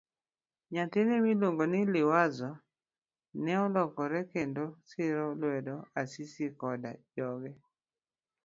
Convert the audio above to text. Nyathine miluongo ni Liwazo ne olokre kendo siro lwedo Asisi koda joge.